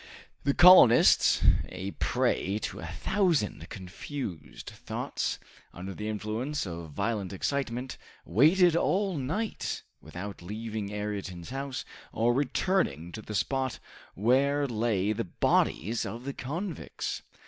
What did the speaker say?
The colonists, a prey to a thousand confused thoughts, under the influence of violent excitement, waited all night, without leaving Ayrton's house, or returning to the spot where lay the bodies of the convicts.